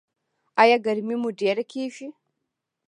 ایا ګرمي مو ډیره کیږي؟